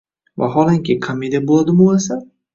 Vaholanki, komediya bo‘ladimi u asar?